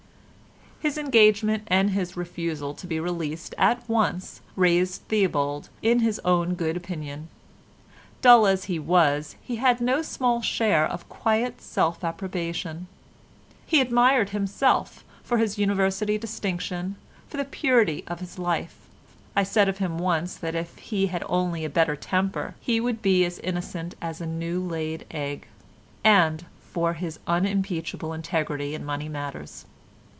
His engagement and his refusal to be released at once raised Theobald in his own good opinion. Dull as he was, he had no small share of quiet self approbation. He admired himself for his University distinction, for the purity of his life (I said of him once that if he had only a better temper he would be as innocent as a new laid egg) and for his unimpeachable integrity in money matters.